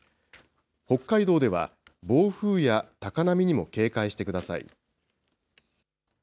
北海道では、暴風や高波にも警戒してください。